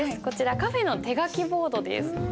こちらカフェの手書きボードです。